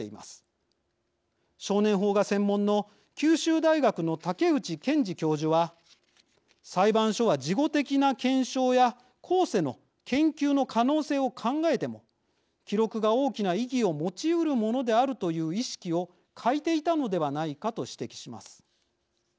少年法が専門の九州大学の武内謙治教授は「裁判所は事後的な検証や後世の研究の可能性を考えても記録が大きな意義をもちうるものであるという意識を欠いていたのではないか」と指摘します。